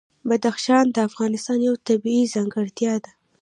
بدخشان د افغانستان یوه طبیعي ځانګړتیا ده.